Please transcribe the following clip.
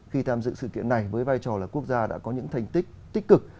khi tham dự sự kiện này với vai trò là quốc gia đã có những thành tích tích cực